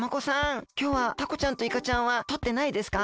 きょうはタコちゃんとイカちゃんはとってないですか？